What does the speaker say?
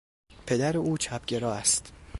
پدر او چپگرا است.